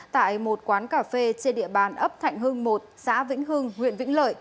tại một quán cà phê trên địa bàn ấp thạnh hưng một xã vĩnh hưng